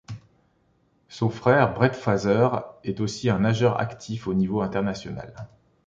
Son frère Brett Fraser est aussi un nageur actif au niveau international.